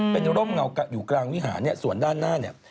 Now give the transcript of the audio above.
เป็นร่มเงาอยู่กลางวิหารส่วนด้านหน้า